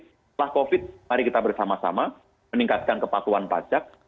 setelah covid mari kita bersama sama meningkatkan kepatuhan pajak